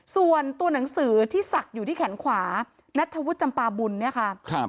ส่วนตัวหนังสือที่ศักดิ์อยู่ที่แขนขวานัทธวุฒิจำปาบุญเนี่ยค่ะ